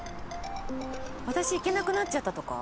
「私行けなくなっちゃった」とか？